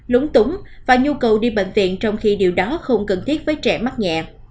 lúng túng và nhu cầu đi bệnh viện trong khi điều đó không cần thiết với trẻ mắc nhẹ